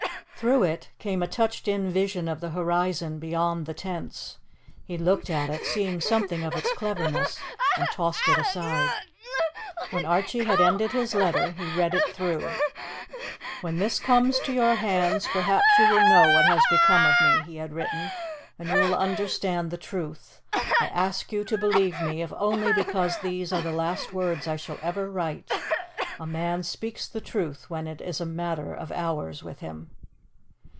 Through it, came a touched in vision of the horizon beyond the tents. He looked at it, seeing something of its cleverness, and tossed it aside. When Archie had ended his letter, he read it through: "When this comes to your hands perhaps you will know what has become of me," he had written, "and you will understand the truth. I ask you to believe me, if only because these are the last words I shall ever write. A man speaks the truth when it is a matter of hours with him.